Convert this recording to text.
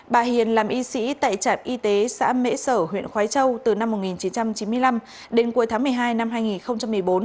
bà hiền làm y sĩ tại trạm y tế xã mễ sở huyện khói châu từ năm một nghìn chín trăm chín mươi năm đến cuối tháng một mươi hai năm hai nghìn một mươi bốn